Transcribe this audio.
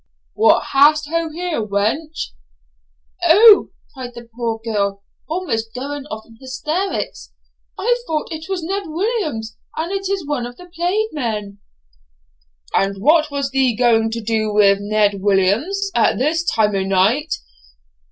'What hast ho here, wench?' 'O!' cried the poor girl, almost going off in hysterics, 'I thought it was Ned Williams, and it is one of the plaid men.' 'And what was thee ganging to do wi' Ned Williams at this time o' noight?'